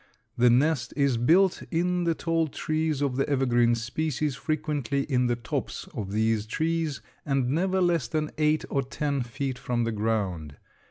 The nest is built in the tall trees of the evergreen species, frequently in the tops of these trees, and never less than eight or ten feet from the ground.